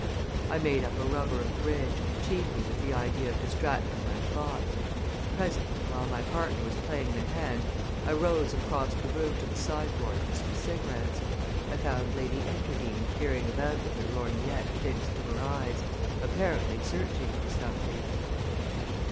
I made up a rubber of bridge, chiefly with the idea of distracting my thoughts. Presently, while my partner was playing the hand, I rose and crossed the room to the sideboard for some cigarettes. I found Lady Enterdean peering about with her lorgnette fixed to her eyes, apparently searching for something.